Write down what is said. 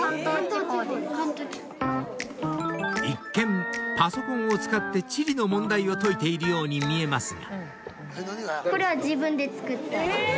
［一見パソコンを使って地理の問題を解いているように見えますが］